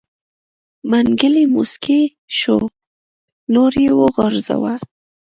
منګلی موسکی شو لور يې وغورځوه.